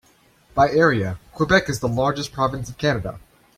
By area, Quebec is the largest province of Canada.